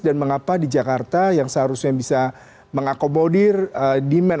dan mengapa di jakarta yang seharusnya bisa mengakomodir demand